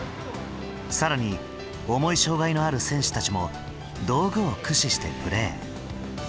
更に重い障害のある選手たちも道具を駆使してプレー。